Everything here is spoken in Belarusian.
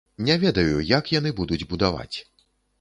Не ведаю, як яны будуць будаваць.